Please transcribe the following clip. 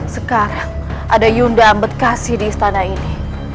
sekarang ada yunda ambedkasi di istana ini